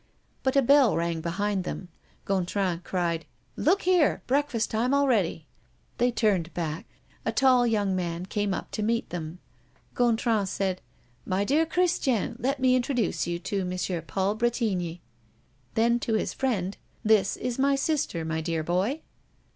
But a bell rang behind them. Gontran cried: "Look here! breakfast time already!" They turned back. A tall, young man came up to meet them. Gontran said: "My dear Christiane, let me introduce to you M. Paul Bretigny." Then, to his friend: "This is my sister, my dear boy."